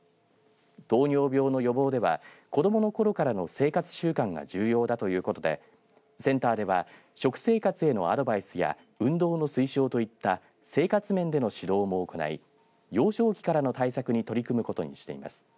糖尿病の予防では子どものころからの生活習慣が重要だということでセンターでは食生活へのアドバイスや運動の推奨といった生活面での指導も行い幼少期からの対策に取り組むことにしています。